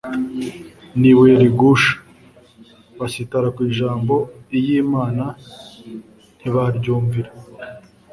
ni ibuye rigusha: Basitara ku Ijambo iy'Imana ntibaryumvira.'»